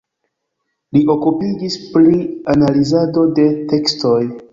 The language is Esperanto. Li okupiĝis pri analizado de tekstoj.